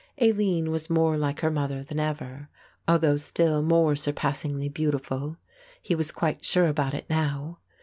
Aline was more like her mother than ever, although still more surpassingly beautiful. He was quite sure about it now.